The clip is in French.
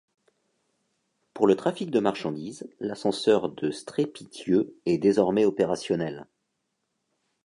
Pour le trafic de marchandises, l'ascenseur de Strépy-Thieu est désormais opérationnel.